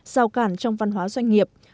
rào cản trong văn hóa doanh nghiệp